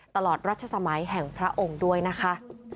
ตลอดรัชสมัยแห่งพระองค์ด้วยนะคะ